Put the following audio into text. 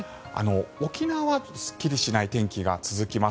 沖縄、すっきりしない天気が続きます。